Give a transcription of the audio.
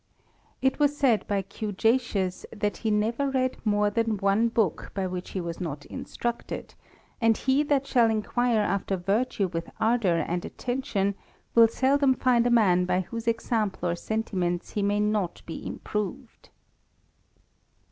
It was said by Cujacius, that he never read more than one book by which he was not instructed ; and he that shall inquire after virtue with ardour and attention, will seldom find a man by whose example or sentiments he may not be improved.